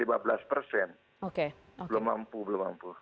belum mampu belum mampu